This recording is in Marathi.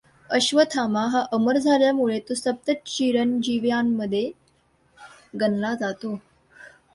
अश्वथामा हा अमर झाल्यामुळे तो सप्तचिरंजीवांमध्ये गणला जातो.